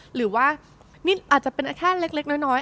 หรือว่านี่อาจจะเป็นแค่เล็กน้อย